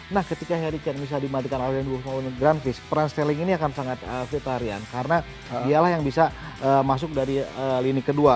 nah ketika harry kane bisa dimatikan oleh dua di granville peran sterling ini akan sangat fitarian karena dialah yang bisa masuk dari lini kedua